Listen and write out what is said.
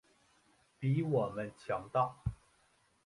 比我们强大